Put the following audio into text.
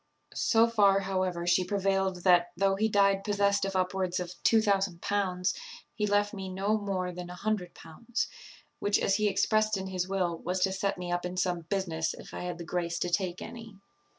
So far, however, she prevailed, that, though he died possessed of upwards of L2000, he left me no more than L100, which, as he expressed in his will, was to set me up in some business, if I had the grace to take to any.